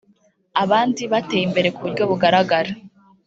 abandi bateye imbere ku buryo bugaragara